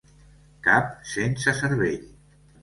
Cap sense cervell.